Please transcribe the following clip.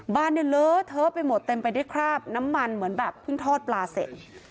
บ้านเนี่ยเลอะเทอะไปหมดเต็มไปด้วยคราบน้ำมันเหมือนแบบเพิ่งทอดปลาเสร็จ